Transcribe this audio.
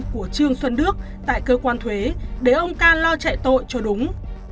của trương xuân đức tại cơ quan thuế để ông ca lo chạy tội cho đúng